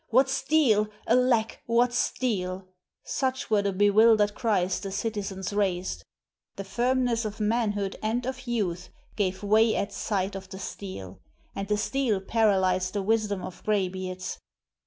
'What steel! alack, what steel!' Such were the bewildered cries the citizens raised. The firmness of manhood and of youth gave way at sight of the steel; and the steel paralyzed the wisdom of gray beards.